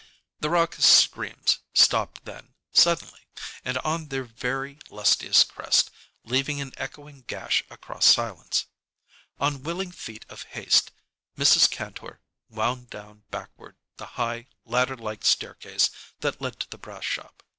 The raucous screams stopped then, suddenly, and on their very lustiest crest, leaving an echoing gash across silence. On willing feet of haste Mrs. Kantor wound down backward the high, ladder like staircase that led to the brass shop.